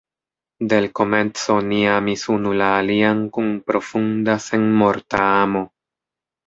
De l’komenco ni amis unu la alian kun profunda, senmorta amo.